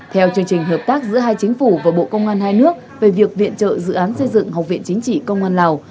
theo chương trình hợp tác giữa hai chính phủ và bộ công an hai nước về việc viện trợ dự án xây dựng học viện chính trị công an lào